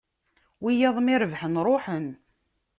Wiyaḍ mi rebḥen ruḥen